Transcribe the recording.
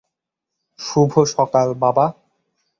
শুভ সকাল, বাবা।